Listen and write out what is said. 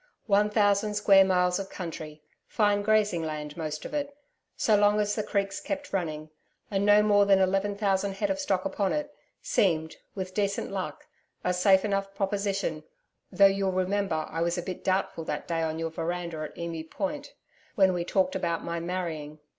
One thousand square miles of country fine grazing land most of it, so long as the creeks kept running and no more than eleven thousand head of stock upon it, seemed, with decent luck, a safe enough proposition, though you'll remember I was a bit doubtful that day on your veranda at Emu Point, when we talked about my marrying.